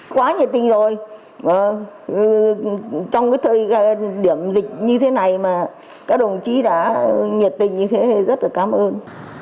quá nhiệt tình rồi trong cái thời điểm dịch như thế này mà các đồng chí đã nhiệt tình như thế rất là cảm ơn